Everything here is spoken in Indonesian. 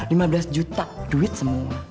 lima belas juta duit semua